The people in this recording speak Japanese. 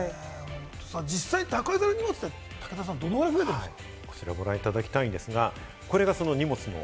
実際、宅配の荷物って、どのくらい増えているんですか？